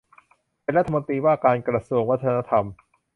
เป็นรัฐมนตรีว่าการกระทรวงวัฒนธรรม